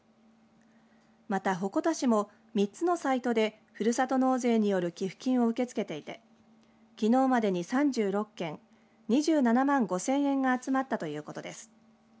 また、鉾田市も３つのサイトでふるさと納税による寄付金を受け付けていてきのうまでに、３６件２７万５０００円が集まったということです。